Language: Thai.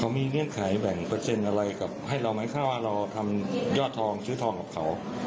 มีเงื่อนไขแบ่งเปอร์เซ็นต์อะไรกับให้เราไหมคะว่าเราทำยอดทองซื้อทองกับเขา